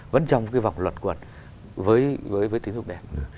vẫn trong cái vòng luật quật với tín dụng đen